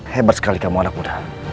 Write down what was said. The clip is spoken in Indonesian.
hebat sekali kamu anak muda